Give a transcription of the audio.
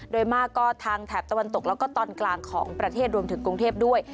โดยมากก็ทางแถบตะวันตกแล้วก็ตอนกลางของประเทศรวมถึงกรุงเทพด้วย